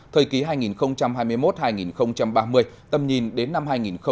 thời kỳ hai nghìn hai mươi một hai nghìn ba mươi tầm nhìn đến năm hai nghìn năm mươi